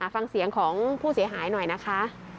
ฟังเสียงของผู้เสียหายหน่อยนะคะ